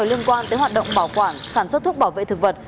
liên quan tới hoạt động bảo quản sản xuất thuốc bảo vệ thực vật